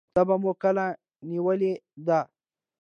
تبه مو کله نیولې ده؟